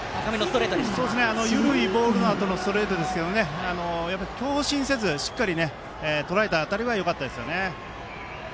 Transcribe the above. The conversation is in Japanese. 緩いボールのあとのストレートですが強振せずしっかりとらえた辺りはよかったです。